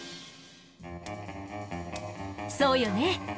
そうよね